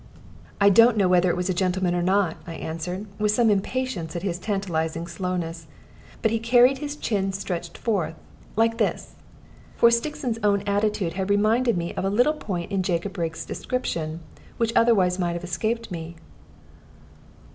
"I don't know whether it was a gentleman or not," I answered, with some impatience at his tantalizing slowness; "but he carried his chin stretched forth like this." For Stixon's own attitude had reminded me of a little point in Jacob Rigg's description, which otherwise might have escaped me.